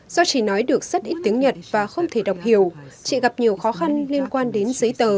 do chị nói được rất ít tiếng nhật và không thể đọc hiểu chị gặp nhiều khó khăn liên quan đến giấy tờ